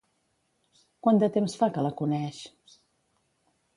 Quant de temps fa que la coneix?